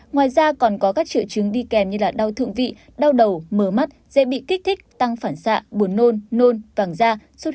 ngoài ra còn có các triệu chứng đi kèm như đau thượng vị đau đầu mờ mắt dễ bị kích thích tăng phản xạ buồn nôn nôn vàng da sốt huyết dưới da